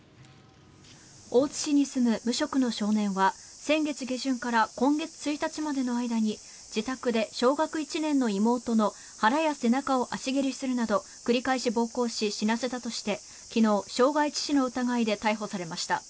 大津市に住む無職の少年は先月下旬から今月１日までの間に自宅で小学１年の妹の腹や背中を足蹴りするなど繰り返し暴行し死なせたとして昨日、傷害致死の疑いで逮捕されました。